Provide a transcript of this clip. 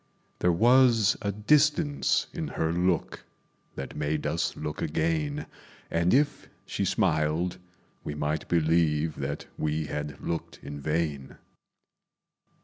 There was a distance in her look That made us look again; And if she smiled, we might believe That we had looked in vain.